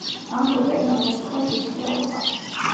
ამბობენ, რომ ეს იყო თვითმკვლელობა.